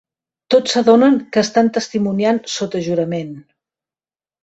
Tots s'adonen que estan testimoniant sota jurament.